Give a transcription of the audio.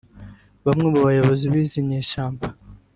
Bamwe mu bayobozi b’izi nyeshyamba